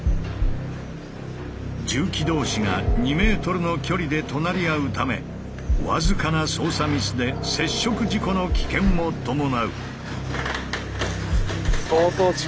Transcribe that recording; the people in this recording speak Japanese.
重機同士が２ｍの距離で隣り合うため僅かな操作ミスで接触事故の危険も伴う。